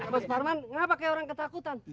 mas parman kenapa kayak orang ketakutan